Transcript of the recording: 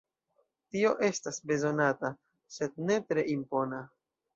Tio estas bezonata, sed ne tre impona.